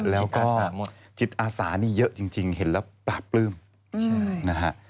แล้วก็จิตอาสานี่เยอะจริงเห็นแล้วปลาปลื้มนะฮะ